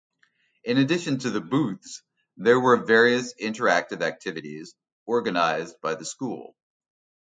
In addition to the booths, there were various interactive activities organized by the school.